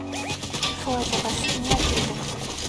Шулай булғас, ниңә килдең?